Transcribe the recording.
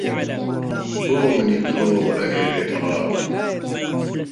بۆ منی کڵۆڵ ئەنێریتە ڕاو